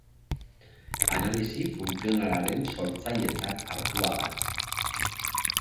Analisi funtzionalaren sortzailetzat hartua da.